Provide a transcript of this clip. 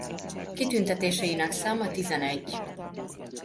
Kitüntetéseinek száma tizenegy.